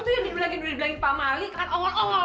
itu yang dulu lagi dulu dibilangin pak mali kan ongol ongol